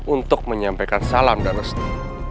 untuk menyampaikan salam dan restu